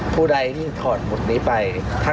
ผู้ใดที่ถอดบทนี้ไป